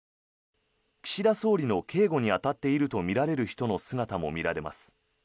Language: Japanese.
岸田総理の警護に当たっているとみられる人の姿も見られます。